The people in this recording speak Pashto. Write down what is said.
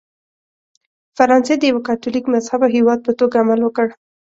فرانسې د یوه کاتولیک مذهبه هېواد په توګه عمل وکړ.